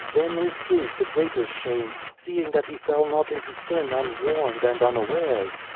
Then is his the greater shame, seeing that he fell not into sin unwarned and unawares.